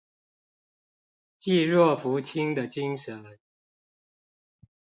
濟弱扶傾的精神